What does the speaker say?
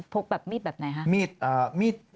กแบบมีดแบบไหนคะ